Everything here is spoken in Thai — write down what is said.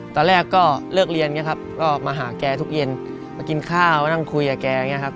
ตอนแรกก็เลิกเรียนมาหาแกทุกเย็นมากินข้าวนั่งคุยกับแก